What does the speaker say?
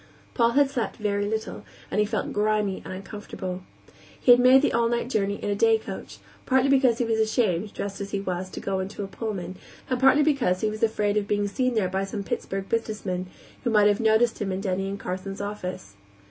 Paul had slept very little, and he felt grimy and uncomfortable. He had made the all night journey in a day coach, partly because he was ashamed, dressed as he was, to go into a Pullman, and partly because he was afraid of being seen there by some Pittsburgh businessman, who might have noticed him in Denny & Carson's office.